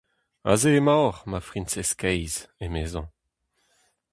Aze emaoc'h, va friñsez kaezh, emezañ.